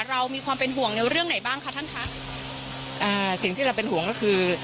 เรามีความเป็นห่วงในเรื่องไหนบ้างคะท่านคะอ่าสิ่งที่เราเป็นห่วงก็คือ